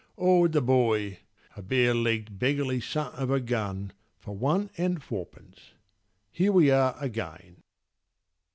O' the boy, a bare legg'd beggarly son of a gun, For one and fourpence. Here we are again.